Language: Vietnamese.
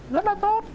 rất là tốt